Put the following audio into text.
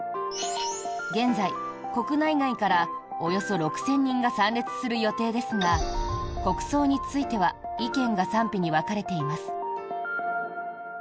現在、国内外からおよそ６０００人が参列する予定ですが国葬については意見が賛否に分かれています。